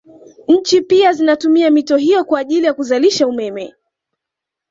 Nchi pia zinatumia mito hiyo kwa ajili ya kuzalisha umeme